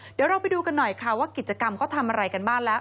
เดี๋ยวเราไปดูกันหน่อยค่ะว่ากิจกรรมเขาทำอะไรกันบ้างแล้ว